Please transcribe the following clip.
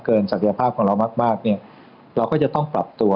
เกินศักยภาพของเรามากเราก็จะต้องปรับตัว